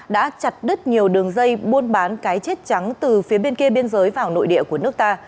đã chặt đứt nhiều đường dây buôn bán cái chết trắng từ phía bên kia biên giới vào nội địa của nước ta